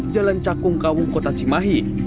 jalan cakung kawung kota cimahi